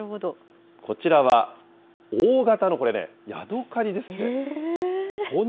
こちらは、大型の、これね、ヤドカリですって。